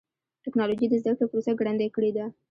ټکنالوجي د زدهکړې پروسه ګړندۍ کړې ده.